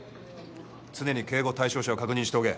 常に警護対象者を確認しておけ。